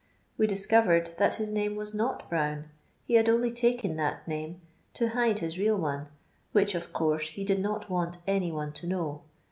We discovered that his name was not Brown ; he had only taken that name to hide his real one, which, of codne, he did not want any one to know.